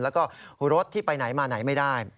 แล้วก็รถที่ไปไหนมาไหนไม่ได้